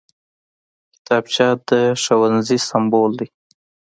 کتابچه د ښوونځي سمبول دی